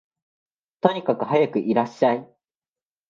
とにかくはやくいらっしゃい